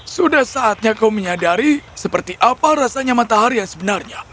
sudah saatnya kau menyadari seperti apa rasanya matahari yang sebenarnya